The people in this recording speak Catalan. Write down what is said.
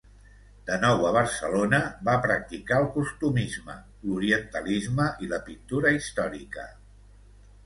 De nou a Barcelona, va practicar el costumisme, l'orientalisme i la pintura històrica.